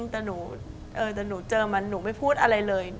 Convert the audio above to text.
แต่หนูเจอมันหนูไม่พูดอะไรเลย